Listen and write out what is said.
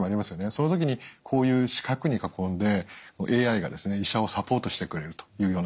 その時にこういう四角に囲んでＡＩが医者をサポートしてくれるというような感じですね。